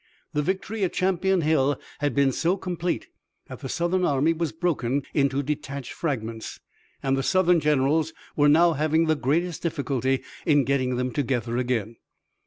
The victory at Champion Hill had been so complete that the Southern army was broken into detached fragments, and the Southern generals were now having the greatest difficulty in getting them together again.